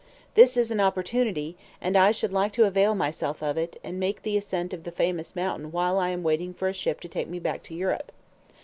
This is an opportunity, and I should like to avail myself of it, and make the ascent of the famous mountain while I am waiting for a ship to take me back to Europe."